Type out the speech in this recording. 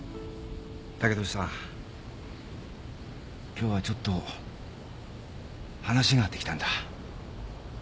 今日はちょっと話があって来たんだ。